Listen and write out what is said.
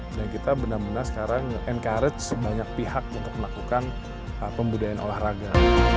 dan kita benar benar sekarang encourage banyak pihak untuk melakukan pembudayaan olahraga